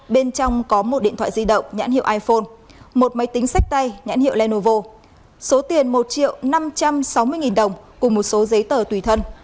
bên trong có một điện thoại di động nhãn hiệu iphone một máy tính sách tay nhãn hiệu lenovo số tiền một triệu năm trăm sáu mươi nghìn đồng cùng một số giấy tờ tùy thân